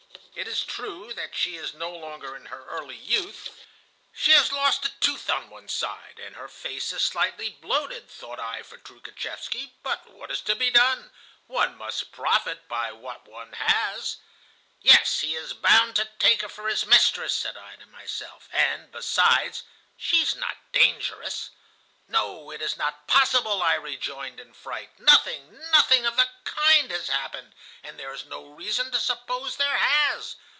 'It is true that she is no longer in her early youth. She has lost a tooth on one side, and her face is slightly bloated,' thought I for Troukhatchevsky. 'But what is to be done? One must profit by what one has.' "'Yes, he is bound to take her for his mistress,' said I to myself again; 'and besides, she is not dangerous.' "'No, it is not possible' I rejoined in fright. 'Nothing, nothing of the kind has happened, and there is no reason to suppose there has.